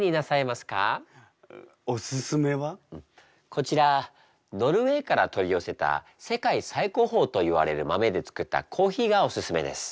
こちらノルウェーから取り寄せた世界最高峰といわれる豆で作ったコーヒーがおすすめです。